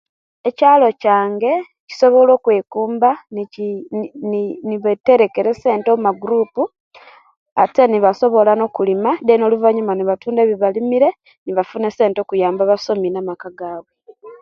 Ekyaalo kyange kisobola okwekumba neki ni ni nibeterekera esente omumagurupu ante nibasobola nokulima deni oluvaanyuma nibatunda ebibarimire nibasobola okuyamba abasomi na'maka gaawe